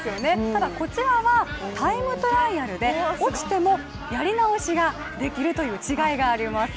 ただこちらは、タイムトライアルで落ちてもやり直しができるという違いがあります。